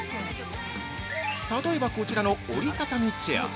例えば、こちらの折りたたみチェア。